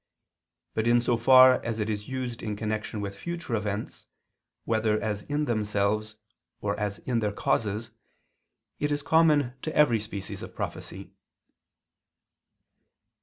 But in so far as it is used in connection with future events, whether as in themselves, or as in their causes, it is common to every species of prophecy.